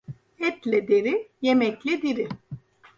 Etle deri, yemekle diri.